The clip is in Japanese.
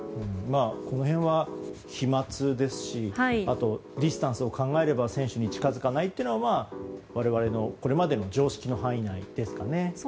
この辺は飛沫ですしあとディスタンスを考えれば選手に近づかないというのは我々の、これまでの常識の範囲内ですかね。